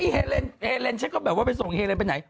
เฮเลนฉันก็แบบว่าไปส่งเฮเลนไปไหน